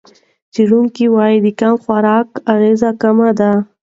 څېړونکي وايي د کم خوراک اغېز کم دی.